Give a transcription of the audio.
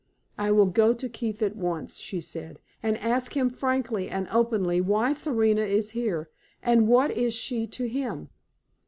"I will go to Keith at once," she said, "and ask him frankly and openly why Serena is here, and what is she to him?"